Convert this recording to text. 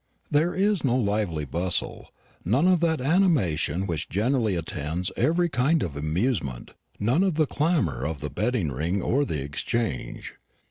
There is no lively bustle, none of that animation which generally attends every kind of amusement, none of the clamour of the betting ring or the exchange.